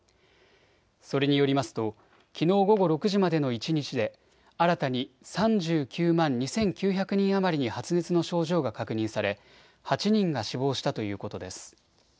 それによりますときのう午後６時までの一日で新たに３９万２９００人余りに発熱の症状が確認され８人が死亡したということです。